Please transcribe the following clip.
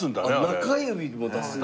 中指も出すんや。